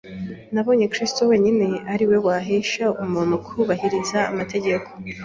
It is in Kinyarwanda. Yabonye ko Kristo wenyine ari we wahesha umuntu kubahiriza amategeko